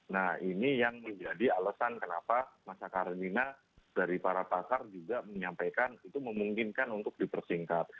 nah ini yang menjadi alasan kenapa masa karantina dari para pasar juga menyampaikan itu memungkinkan untuk dipersingkat